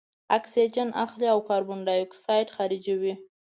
اکسیجن اخلي او کاربن دای اکساید خارجوي.